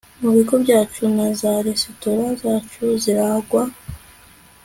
mu bigo byacu na za resitora zacu zirangwa